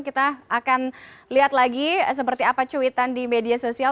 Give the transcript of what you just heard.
kita akan lihat lagi seperti apa cuitan di media sosial